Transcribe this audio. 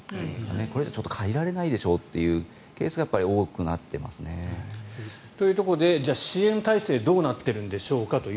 これじゃ借りられないでしょうというケースが多くなっていますね。というところで支援体制どうなっているんでしょうか。